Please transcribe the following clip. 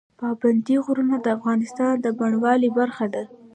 پابندی غرونه د افغانستان د بڼوالۍ برخه ده.